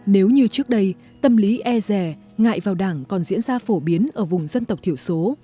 nếu như trước đây tâm lý e rè ngại vào đảng còn diễn ra phổ biến ở vùng dân tộc thiểu số